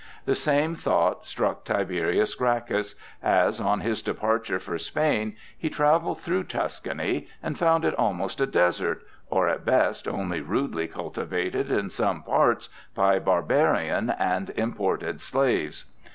The same thought struck Tiberius Gracchus as, on his departure for Spain, he travelled through Tuscany and found it almost a desert, or, at best, only rudely cultivated in some parts by barbarian and imported slaves.